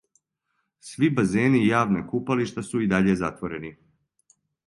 Сви базени и јавна купалишта су и даље затворени.